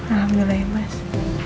alhamdulillah ya mas